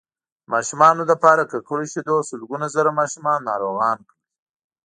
د ماشومانو لپاره ککړو شیدو سلګونه زره ماشومان ناروغان کړل